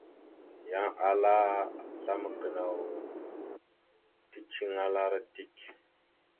Yan ala azlam gənaw ticeliŋalara dik.